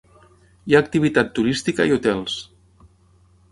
Hi ha activitat turística i hotels.